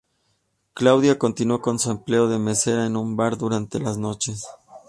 Claudia continúa con su empleo de mesera en un bar durante las noches.